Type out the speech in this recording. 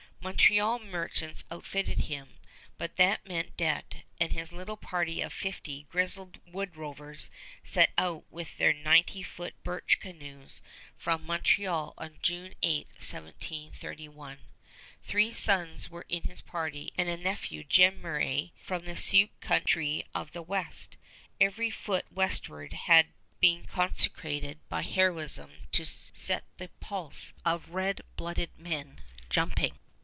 Montreal merchants outfitted him, but that meant debt; and his little party of fifty grizzled woodrovers set out with their ninety foot birch canoes from Montreal on June 8, 1731. Three sons were in his party and a nephew, Jemmeraie, from the Sioux country of the west. Every foot westward had been consecrated by heroism to set the pulse of red blooded men jumping.